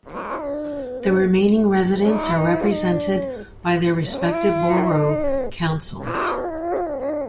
The remaining residents are represented by their respective borough councils.